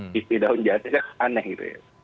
tv daun jati kan aneh gitu ya